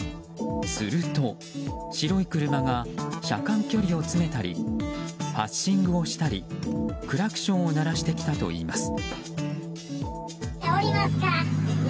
すると、白い車が車間距離を詰めたりパッシングをしたりクラクションを鳴らしてきたといいます。